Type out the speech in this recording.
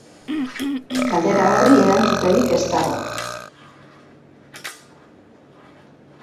Galdera horri erantzuterik ez dago.